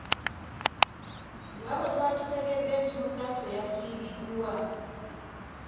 Nga bwe twakitegedde nti munaffe yafiiriddwa.